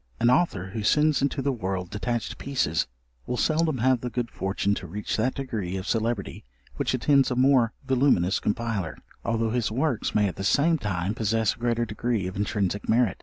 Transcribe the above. An author who sends into the world detached pieces will seldom have the good fortune to reach that degree of celebrity which attends a more voluminous compiler, although his works may at the same time possess a greater degree of intrinsic merit.